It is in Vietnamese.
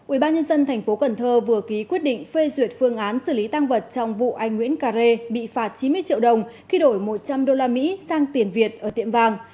ubnd tp cần thơ vừa ký quyết định phê duyệt phương án xử lý tăng vật trong vụ anh nguyễn cà rê bị phạt chín mươi triệu đồng khi đổi một trăm linh usd sang tiền việt ở tiệm vàng